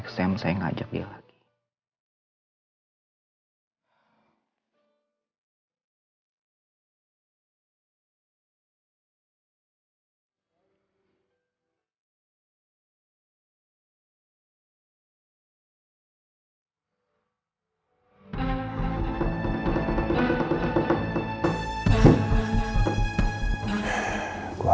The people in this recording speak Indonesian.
kok ket sebisa dengar dia ngerung gitu ya